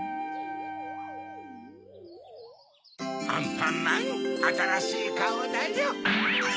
アンパンマンあたらしいカオだよ。